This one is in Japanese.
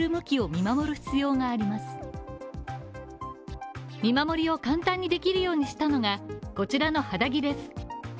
見守りを簡単にできるようにしたのがこちらの肌着です。